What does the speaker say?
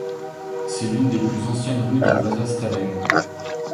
C'est l'une des plus anciennes rues de Vasastaden.